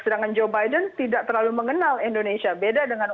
sedangkan joe biden tidak terlalu mengenal indonesia beda dengan